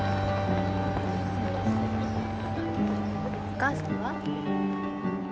お母さんは？